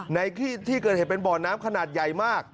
ในที่เกิดเหตุเป็นบ่อน้ำขนาดใหญ่มาก